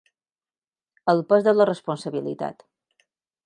El pes de la responsabilitat.